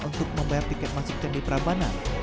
untuk membayar tiket masuk candi prambanan